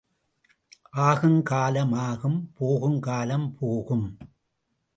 ஆகும் காலம் ஆகும் போகும் காலம் போகும்.